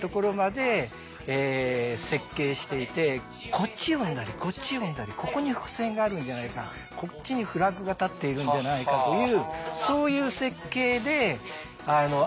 こっち読んだりこっち読んだりここに伏線があるんじゃないかこっちにフラグが立っているんじゃないかというそういう設計で新しい映像を作る。